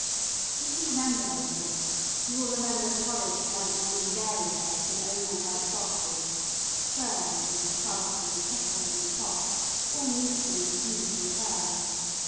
If you remember those bricks you will remember the polished, white wooden dairy sets in oval white boxes churns and tubs and kettles and pots all neatly and beautifully turned.